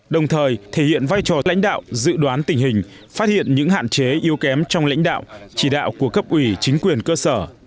đồng thời thể hiện vai trò lãnh đạo dự đoán tình hình phát hiện những hạn chế yếu kém trong lãnh đạo chỉ đạo của cấp ủy chính quyền cơ sở